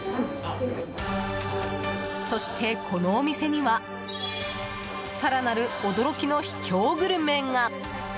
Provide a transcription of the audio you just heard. そして、このお店には更なる驚きの秘境グルメが！